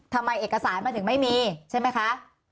ทำไมเอกสารมันถึงไม่มีใช่ไหมคะ